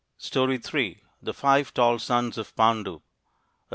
STORY III THE FIVE TALL SONS OF PANDU A.